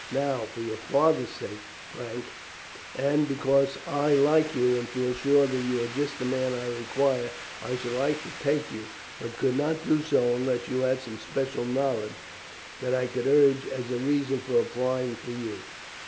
Now, for your father's sake, Frank, and because I like you and feel sure that you are just the man I require, I should like to take you, but could not do so unless you had some special knowledge that I could urge as a reason for applying for you.